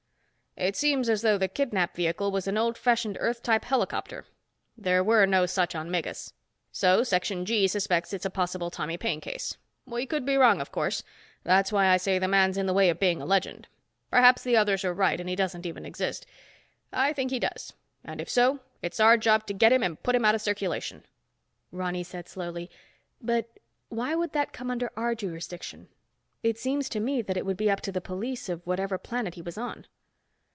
"It seems as though the kidnap vehicle was an old fashioned Earth type helicopter. There were no such on Megas. So Section G suspects it's a possible Tommy Paine case. We could be wrong, of course. That's why I say the man's in the way of being a legend. Perhaps the others are right and he doesn't even exist. I think he does, and if so, it's our job to get him and put him out of circulation." Ronny said slowly, "But why would that come under our jurisdiction? It seems to me that it would be up to the police of whatever planet he was on."